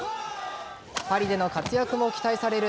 パリでの活躍も期待される